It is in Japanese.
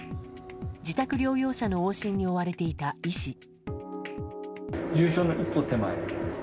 自宅療養者の往診に追われていた医師。